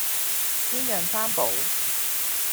煎釀三寶